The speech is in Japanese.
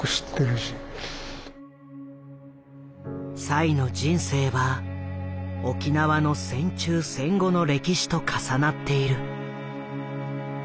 栽の人生は沖縄の戦中戦後の歴史と重なっている。